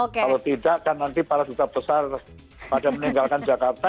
kalau tidak kan nanti para duta besar pada meninggalkan jakarta